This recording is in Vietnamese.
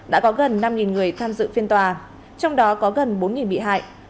đã có gần năm người tham dự phiên tòa trong đó có gần bốn bị hại